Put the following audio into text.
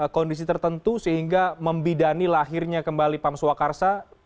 bentuk bentuk pengembangan swakarsa